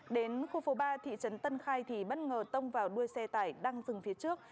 đến khu phố ba thị trấn tân khai thì bất ngờ tông vào đuôi xe tải đang dừng phía trước